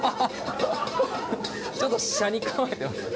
ちょっと斜に構えてます？